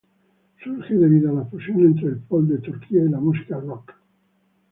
Surge debido a la fusión entre el folk de Turquía y la música rock.